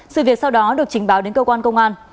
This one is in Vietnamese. sự việc sau đó được trình báo đến cơ quan công an